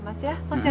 paling ada di sini